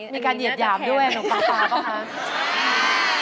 มีการเหยียบหย่ามด้วยหนุ่มปังปลาป่ะคะ